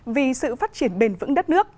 vì sự phát triển bền vững đất nước